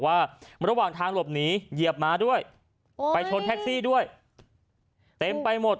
ว่าระหว่างทางหลบหนีเหยียบมาด้วยไปชนแท็กซี่ด้วยเต็มไปหมด